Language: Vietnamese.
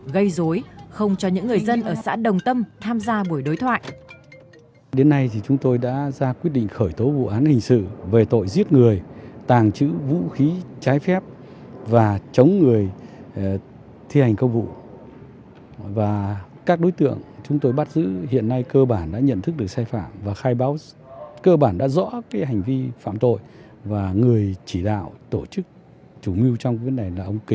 gây dối không cho những người dân ở xã đồng tâm tham gia buổi đối thoại